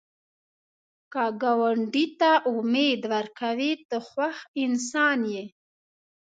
که ګاونډي ته امید ورکوې، ته خوښ انسان یې